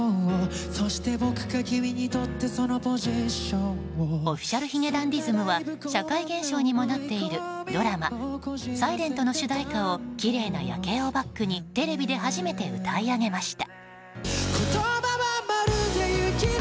Ｏｆｆｉｃｉａｌ髭男ｄｉｓｍは社会現象にもなっているドラマ「ｓｉｌｅｎｔ」の主題歌をきれいな夜景をバックにテレビで初めて歌い上げました。